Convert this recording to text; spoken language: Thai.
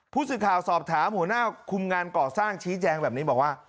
ผู้สื่อข่าวสอบถามหัวหน้าคุมงานก่อสร้างชี้แจงแบบนี้บอกว่า